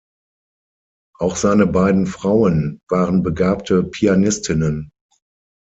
Auch seine beiden Frauen waren begabte Pianistinnen.